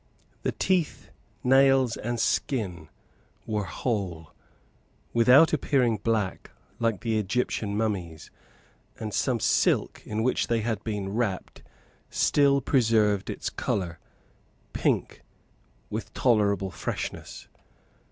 The teeth, nails, and skin were whole, without appearing black like the Egyptian mummies; and some silk, in which they had been wrapped, still preserved its colour pink with tolerable freshness.